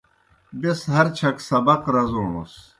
بیْس ہر چھک سبق رزوݨَس۔